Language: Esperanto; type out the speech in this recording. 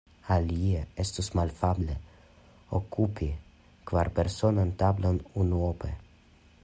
Alie, estus malafable okupi kvarpersonan tablon unuope.